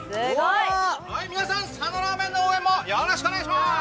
皆さん、佐野ラーメンの応援もよろしくお願いします！